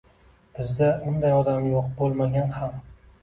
Bizda unday odam yoʻq, boʻlmagan ham.